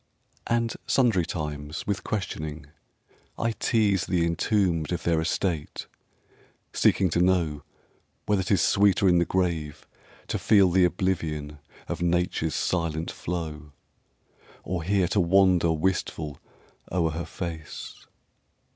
And sundry times with questioning I tease The entombed of their estate seeking to know Whether 'tis sweeter in the grave to feel The oblivion of Nature's silent flow, Or here to wander wistful o'er her face.